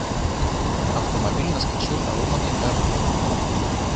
Автомобиль наскочил на ломанные грабли.